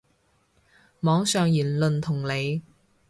網上言論同理